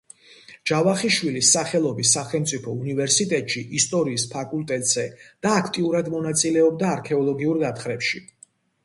ჯავახიშვილის სახელობის სახელმწიფო უნივერსიტეტში, ისტორიის ფაკულტეტზე და აქტიურად მონაწილეობდა არქეოლოგიურ გათხრებში.